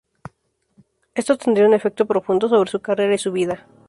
Esto tendría un efecto profundo sobre su carrera y su vida.